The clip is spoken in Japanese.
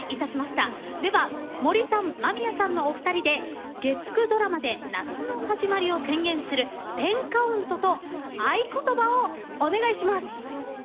では森さん間宮さんのお二人で月９ドラマで夏の始まりを宣言する１０カウントと合言葉をお願いします！